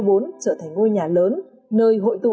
trở thành ngôi nhà lớn nơi hội tụ